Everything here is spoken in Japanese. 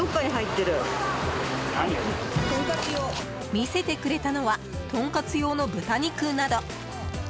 見せてくれたのはとんかつ用の豚肉など。